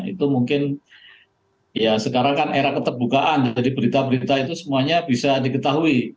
itu mungkin ya sekarang kan era keterbukaan jadi berita berita itu semuanya bisa diketahui